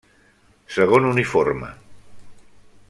Segon uniforme: